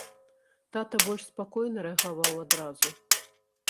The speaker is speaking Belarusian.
Тата больш спакойна рэагаваў адразу.